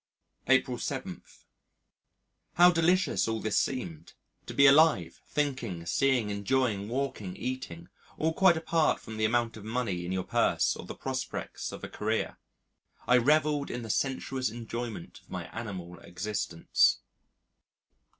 April 7. ... How delicious all this seemed! To be alive thinking, seeing, enjoying, walking, eating all quite apart from the amount of money in your purse or the prospects of a career. I revelled in the sensuous enjoyment of my animal existence.